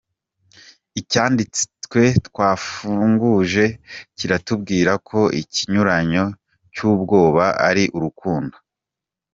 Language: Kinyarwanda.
Icyanditswe twafunguje kiratubwira ko ikinyuranyo cy'ubwoba ari urukundo.